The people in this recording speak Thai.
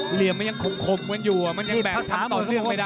เหลี่ยมมันยังคมกันอยู่มันยังแบกซ้ำต่อเนื่องไม่ได้